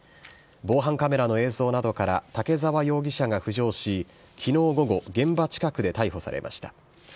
防犯カメラの映像などから竹沢容疑者が浮上し、きのう午後、現場近くで逮捕されました。